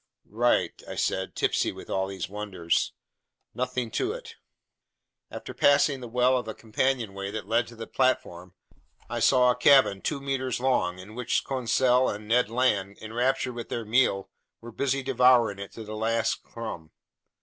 "Right," I said, tipsy from all these wonders, "nothing to it!" After passing the well of the companionway that led to the platform, I saw a cabin 2 meters long in which Conseil and Ned Land, enraptured with their meal, were busy devouring it to the last crumb.